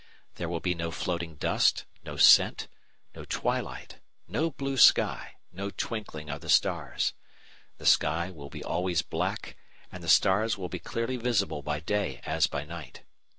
There will be no floating dust, no scent, no twilight, no blue sky, no twinkling of the stars. The sky will be always black and the stars will be clearly visible by day as by night.